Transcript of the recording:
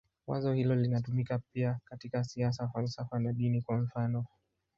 Wazo hilo linatumika pia katika siasa, falsafa na dini, kwa mfanof.